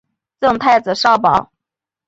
赠太子少保。